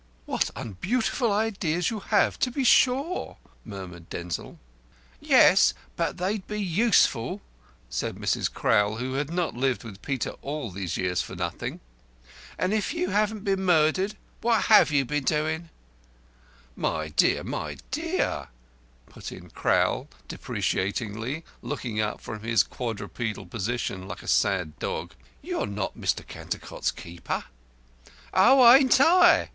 "What unbeautiful ideas you have to be sure!" murmured Denzil. "Yes; but they'd be useful," said Mrs. Crowl, who had not lived with Peter all these years for nothing. "And if you haven't been murdered, what have you been doing?" "My dear, my dear," put in Crowl, deprecatingly, looking up from his quadrupedal position like a sad dog, "you are not Cantercot's keeper." "Oh, ain't I?"